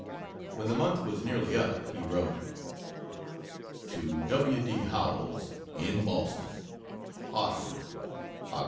When the month was nearly up he wrote: To W. D. Howells, in Boston: HARTFORD, Oct.